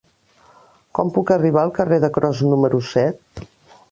Com puc arribar al carrer de Cros número set?